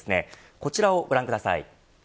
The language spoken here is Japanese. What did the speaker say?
こちらをご覧ください。